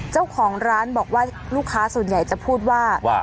เจ้าของร้านบอกว่าลูกค้าส่วนใหญ่จะพูดว่า